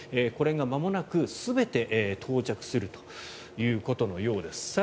これがまもなく全て到着するということのようです。